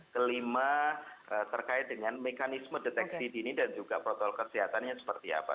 kelima terkait dengan mekanisme deteksi dini dan juga protokol kesehatannya seperti apa